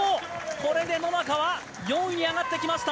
これで野中は４位に上がってきました。